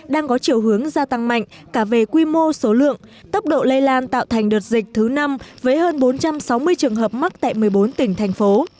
đang có chiều hướng gia tăng mạnh cả về quy mô số lượng tốc độ lây lan tạo thành đợt dịch thứ năm với hơn bốn trăm sáu mươi trường hợp mắc tại một mươi bốn tỉnh thành phố